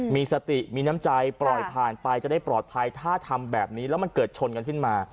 มีสติมีน้ำใจปล่อยผ่านไปจะได้ปลอดภัยถ้าทำแบบนี้แล้วมันเกิดชนกันขึ้นมา